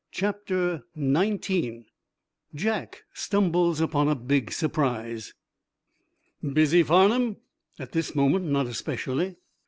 CHAPTER XIX JACK STUMBLES UPON A BIG SURPRISE "Busy, Farnum?" "At this moment, not especially."